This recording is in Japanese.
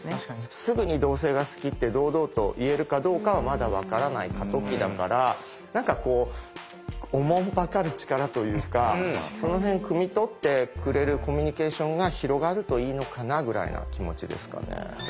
すぐに同性が好きって堂々と言えるかどうかはまだ分からない過渡期だから何かこうおもんぱかる力というかその辺くみ取ってくれるコミュニケーションが広がるといいのかなぐらいな気持ちですかね。